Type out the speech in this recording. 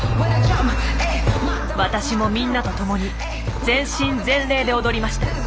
私もみんなと共に全身全霊で踊りました。